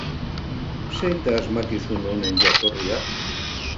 Zein da asmakizun honen jatorria?